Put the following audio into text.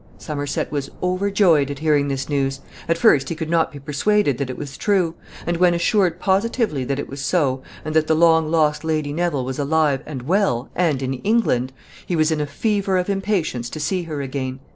Somerset was overjoyed at hearing this news. At first he could not be persuaded that it was true; and when assured positively that it was so, and that the long lost Lady Neville was alive and well, and in England, he was in a fever of impatience to see her again.